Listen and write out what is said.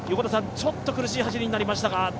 ちょっと苦しい走りになりましたが？